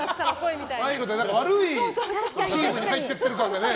悪いチームに入って行ってる感がね。